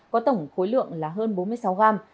có tổng khối lượng là hơn bốn mươi sáu gram